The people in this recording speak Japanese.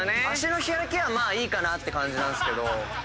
脚の開きはいいかなって感じなんですけど。